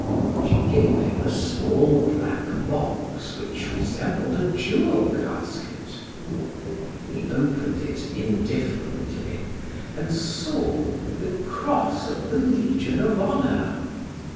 She gave him a small black box which resembled a jewel casket. He opened it indifferently and saw the cross of the Legion of Honor.